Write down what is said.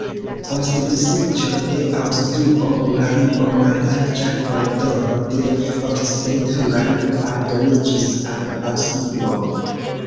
Post disiĝo de Aŭstrio-Hungario mallarĝa koridoro de Okcidenta Hungario aldoniĝis al Aŭstrio.